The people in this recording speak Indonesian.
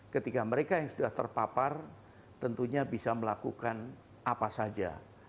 ketika mereka yang sudah terpapar tentunya bisa melakukan apa saja